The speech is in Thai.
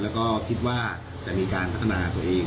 แล้วก็คิดว่าจะมีการพัฒนาตัวเอง